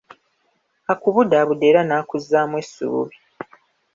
Akubudabuda era nakuzzaamu essuubi.